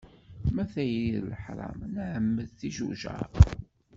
Ma tayri d leḥram nɛemmed tijujar.